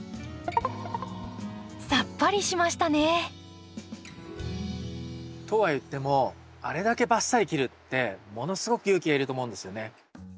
さっぱりしましたね！とはいってもあれだけバッサリ切るってものすごく勇気がいると思うんですよね。